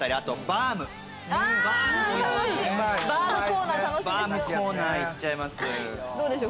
バウムコーナー行っちゃいます。